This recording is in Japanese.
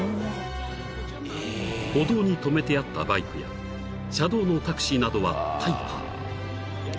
［歩道に止めてあったバイクや車道のタクシーなどは大破］